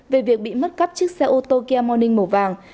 về việc bị mất cắp chiếc xe ô tô kia morning màu vàng